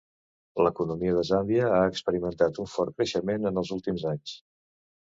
L'economia de Zàmbia ha experimentat un fort creixement en els últims anys.